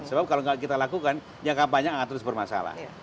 sebab kalau nggak kita lakukan jangka panjang akan terus bermasalah